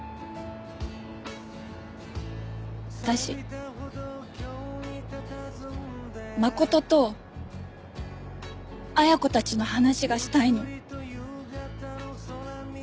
私真琴と恵子たちの話がしたいの。